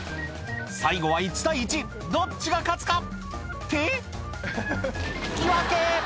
最後は１対１どっちが勝つか？って引き分け！